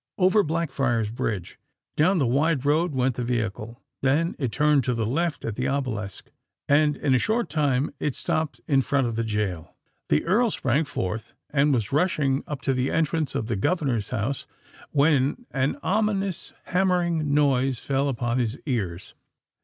Over Blackfriars Bridge—down the wide road went the vehicle: then it turned to the left at the Obelisk—and, in a short time, it stopped in front of the gaol. The Earl sprang forth, and was rushing up to the entrance of the governor's house; when an ominous hammering noise fell upon his ears.